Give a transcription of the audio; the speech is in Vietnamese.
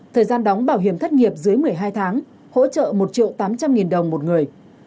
thời gian đóng bảo hiểm thất nghiệp dưới một mươi hai tháng hỗ trợ một triệu tám trăm linh nghìn đồng một người